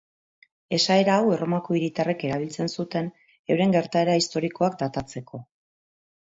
Esaera hau, Erromako hiritarrek erabiltzen zuten euren gertaera historikoak datatzeko.